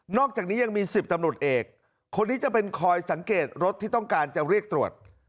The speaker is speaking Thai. อกจากนี้ยังมี๑๐ตำรวจเอกคนนี้จะเป็นคอยสังเกตรถที่ต้องการจะเรียกตรวจ